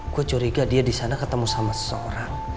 gue curiga dia disana ketemu sama seseorang